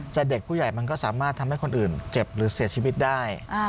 แต่เด็กผู้ใหญ่มันก็สามารถทำให้คนอื่นเจ็บหรือเสียชีวิตได้